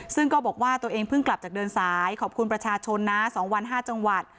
ซึ่งก็บอกว่าตัวเองเพิ่งกลับจากเดินสายขอบคุณประชาชนนะ๒วัน๕จังหวัด